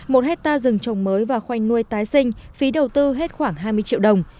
một hectare rừng trồng mới và khoanh nuôi tái sinh phí đầu tư hết khoảng hai mươi triệu đồng